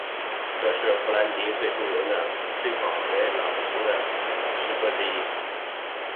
这是弗罗斯特最著名和最广为诵读的诗歌之一。